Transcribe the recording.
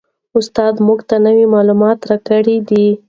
استاد موږ ته نوي معلومات راکړي دي.